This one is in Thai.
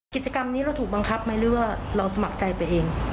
กิจกรรมนี้เราถูกบังคับไหมหรือว่าเราสมัครใจไปเอง